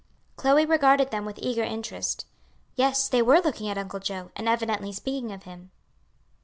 Chloe regarded them with eager interest; yes, they were looking at Uncle Joe, and evidently speaking of him.